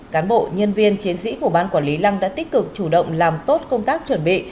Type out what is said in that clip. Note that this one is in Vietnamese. cán bộ nhân viên chiến sĩ của ban quản lý lăng đã tích cực chủ động làm tốt công tác chuẩn bị